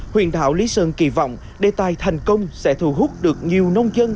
huyền đạo lý sơn kỳ vọng đề tài thành công sẽ thu hút được nhiều nông dân